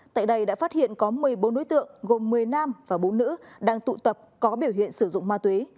tại đây đã phát hiện có một mươi bốn đối tượng gồm một mươi nam và bốn nữ đang tụ tập có biểu hiện sử dụng ma túy